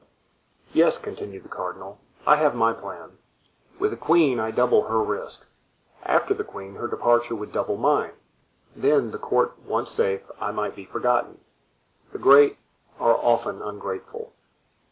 "Yes," continued the cardinal. "I have my plan. With the queen I double her risk; after the queen her departure would double mine; then, the court once safe, I might be forgotten. The great are often ungrateful."